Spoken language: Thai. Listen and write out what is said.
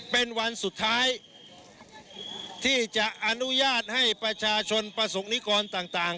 เป็นวันสุดท้ายที่จะอนุญาตให้ประชาชนประสงค์นิกรต่าง